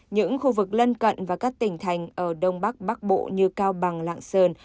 những khu vực lân cận và các tỉnh thành ở đông bắc bắc bộ như cao bằng lạng sơn